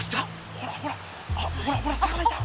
ほらほらほらほら魚いた！